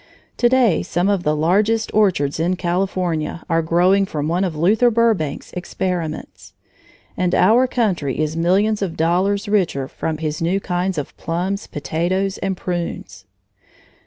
To day some of the largest orchards in California are growing from one of Luther Burbank's experiments. And our country is millions of dollars richer from his new kinds of plums, potatoes, and prunes.